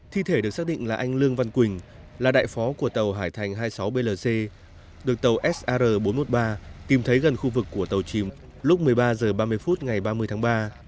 thi thể được xác định là anh lương văn quỳnh là đại phó của tàu hải thành hai mươi sáu blc được tàu sr bốn trăm một mươi ba tìm thấy gần khu vực của tàu chìm lúc một mươi ba h ba mươi phút ngày ba mươi tháng ba